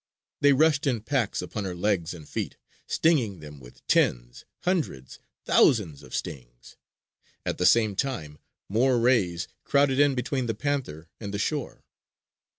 They rushed in packs upon her legs and feet, stinging them with tens, hundreds, thousands of stings. At the same time more rays crowded in between the panther and the shore.